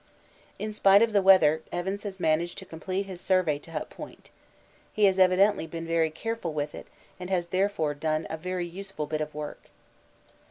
In spite of the weather Evans has managed to complete his survey to Hut Point. He has evidently been very careful with it and has therefore done a very useful bit of work.